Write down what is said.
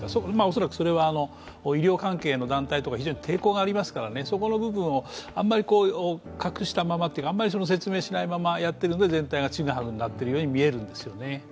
恐らくそれは医療関係の団体とか、非常に抵抗がありますから、そこの部分をあんまり隠したまま、あまり説明しないままやっているので全体がちぐはぐになっているように見えるんですよね。